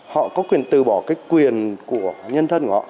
họ có quyền từ bỏ cái quyền của nhân thân của họ